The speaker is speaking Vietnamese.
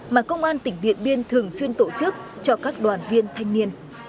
mà công an tỉnh điện biên thường xuyên tổ chức cho các đoàn viên thanh niên